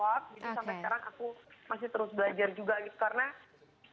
jadi sampai sekarang aku masih terus belajar juga gitu